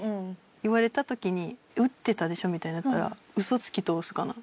言われた時に売ってたでしょみたいになったらウソ突き通すかな。